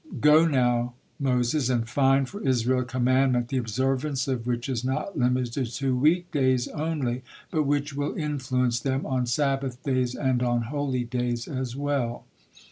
God now, Moses, and find for Israel a commandment the observance of which is not limited to week days only, but which will influence them on Sabbath days and on holy days as well."